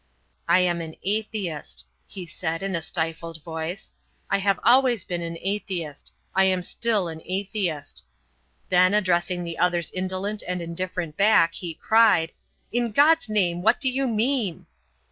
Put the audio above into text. "I am an atheist," he said, in a stifled voice. "I have always been an atheist. I am still an atheist." Then, addressing the other's indolent and indifferent back, he cried: "In God's name what do you mean?"